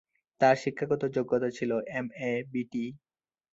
তার শিক্ষাগত যোগ্যতা ছিলে এমএ বিটি।